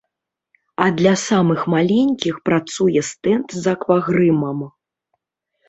А для самых маленькіх працуе стэнд з аквагрымам.